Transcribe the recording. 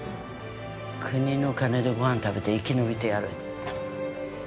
国の金でご飯食べて生き延びてやる。